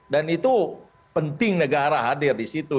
dan itu penting negara hadir di situ